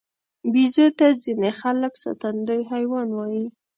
بیزو ته ځینې خلک ساتندوی حیوان وایي.